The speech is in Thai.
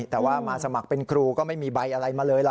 แต่ว่ามาสมัครเป็นครูก็ไม่มีใบอะไรมาเลยล่ะ